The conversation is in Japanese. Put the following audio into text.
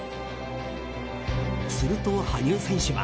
すると、羽生選手は。